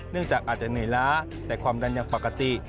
จากอาจจะเหนื่อยล้าแต่ความดันยังปกติ